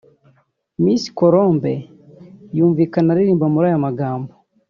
Miss Colombe yumvikana aririmba muri aya magambo